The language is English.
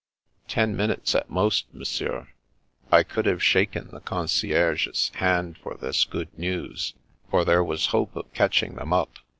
" Ten minutes, at most, Monsieur." I could have shaken the concierge's hand for this good news, for there was hope of catching them up.